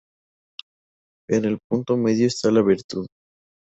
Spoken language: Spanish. En el punto medio está la virtud